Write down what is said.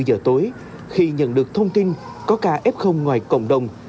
hai mươi giờ tối khi nhận được thông tin có ca f ngoài cộng đồng